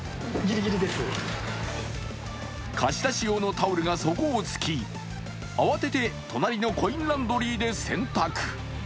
貸し出し用のタオルが底をつき慌てて隣のコインランドリーで洗濯。